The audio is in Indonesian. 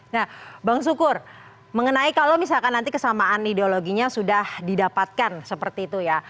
nah bang sukur mengenai kalau misalkan nanti kesamaan ideologinya sudah didapatkan seperti itu ya